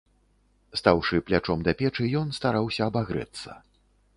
Стаўшы плячом да печы, ён стараўся абагрэцца.